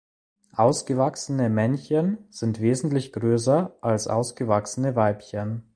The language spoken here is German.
Ausgewachsene Männchen sind wesentlich größer als ausgewachsene Weibchen.